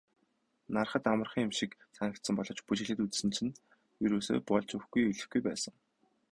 Hарахад амархан юм шиг санагдсан боловч бүжиглээд үзсэн чинь ерөөсөө болж өгөхгүй эвлэхгүй байсан.